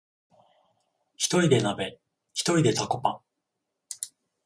ひとりで鍋、ひとりでタコパ